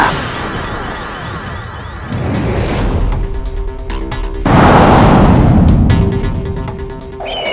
aku harus bersiap